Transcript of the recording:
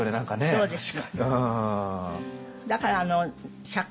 そうです。